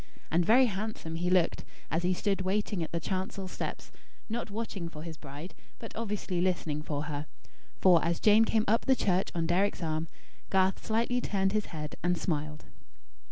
And very handsome he looked, as he stood waiting at the chancel steps; not watching for his bride; but obviously listening for her; for, as Jane came up the church on Deryck's arm, Garth slightly turned his head and smiled.